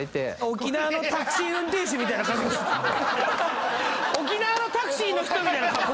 沖縄のタクシーの人みたいな。